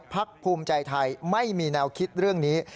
ภูมิใจไทยไม่มีแนวคิดเรื่องนี้